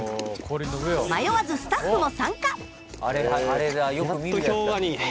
迷わずスタッフも参加。